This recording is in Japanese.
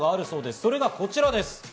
それがこちらです。